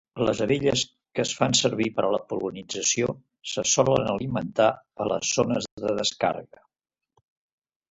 Les abelles que es fan servir per a la pol·linització se solen alimentar a les zones de descàrrega.